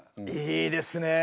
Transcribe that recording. いいですね。